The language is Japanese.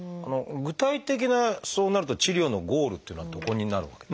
具体的なそうなると治療のゴールっていうのはどこになるわけで？